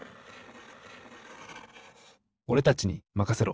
おれたちにまかせろ！